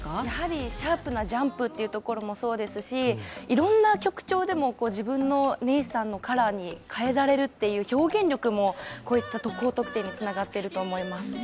やはりシャープなジャンプもそうですし、いろんな曲調でも自分の、ネイサンのカラーに変えられるという、表現力も、こういった高得点につながっていると思います。